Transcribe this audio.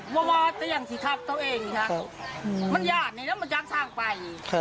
มาเนาต์เตียงจี่ขับตัวเองค่ะมันยาดน่ะแล้วมันยากข้างไป